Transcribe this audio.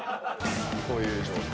こういう状態。